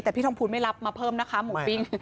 แต่พี่ทองพูนไม่รับมาเพิ่มนะคะหมูปิ้ง